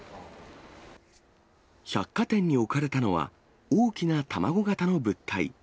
百貨店に置かれたのは、大きな卵形の物体。